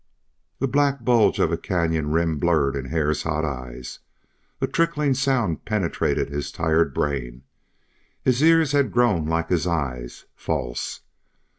The black bulge of a canyon rim blurred in Hare's hot eyes. A trickling sound penetrated his tired brain. His ears had grown like his eyes false.